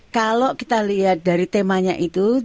kalau kita lihat dari temanya itu